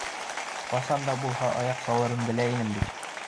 Ҡасан да булһа аяҡ салырын белә инем бит!